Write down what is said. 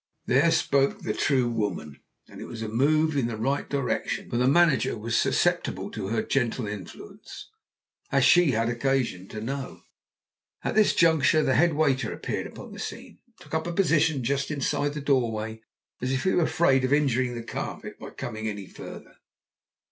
There spoke the true woman. And it was a move in the right direction, for the manager was susceptible to her gentle influence, as she had occasion to know. At this juncture the head waiter appeared upon the scene, and took up a position just inside the doorway, as if he were afraid of injuring the carpet by coming farther.